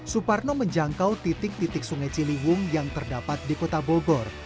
suparno menjangkau titik titik sungai ciliwung yang terdapat di kota bogor